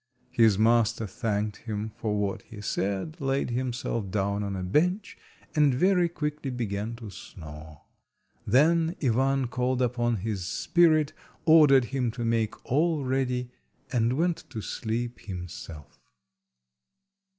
His master thanked him for what he said, laid himself down on a bench, and very quickly began to snore. Then Ivan called upon his spirit, ordered him to make all ready, and went to sleep himself.